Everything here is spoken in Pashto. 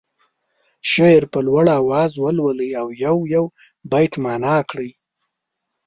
شعر په لوړ اواز ولولي او یو یو بیت معنا کړي.